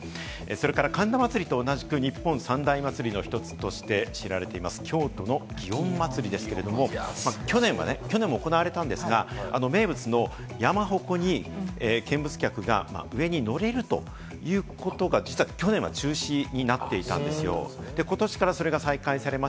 また神田祭と同じく、日本三大祭の一つとして知られている京都の祇園祭ですけれども、去年も行われたんですが、名物の山鉾に見物客が上に乗れるということが去年は中止になっていたんです。